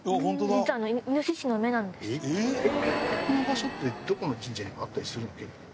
この場所ってどこの神社にもあったりする？